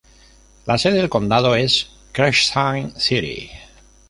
La sede del condado es Crescent City.